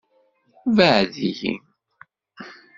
Bɛed-iyi.